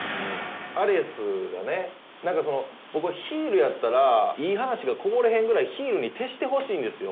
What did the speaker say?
アレスがねなんかその僕はヒールやったらいい話がこぼれへんぐらいヒールに徹してほしいんですよ。